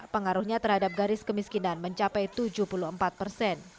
pengaruhnya terhadap garis kemiskinan mencapai tujuh puluh empat persen